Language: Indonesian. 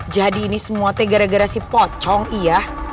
tadi ini semua te gara gara si pocong iya